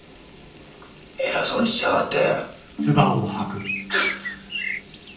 偉そうにしやがって。